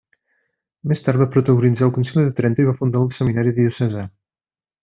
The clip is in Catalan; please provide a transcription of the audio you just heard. Més tard va protagonitzar el Concili de Trento i va fundar el seminari diocesà.